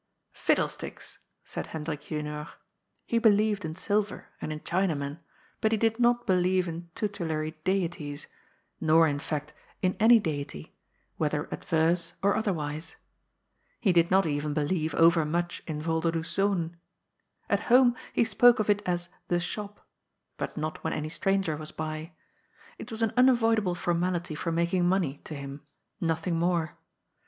" Fiddlesticks !" said Hendrik Junior. He believed in silver, and in Chinamen, but he did not believe in tutelary * deities, nor, in fact, in any deity, whether adverse or other wise. He did not even believe overmuch in " Volderdoes Zonen." At home he spoke of it as " the shop," but not when any stranger was by. It was an unavoidable formality for making money to him, nothing more.